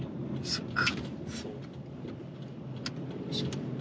そっか。